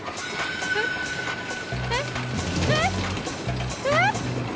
えっ？えっ？えっ？えっ？